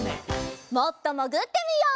もっともぐってみよう！